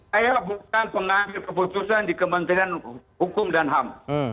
saya bukan pengambil keputusan di kementerian hukum dan ham